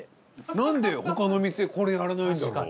なんで他の店これやらないんだろう？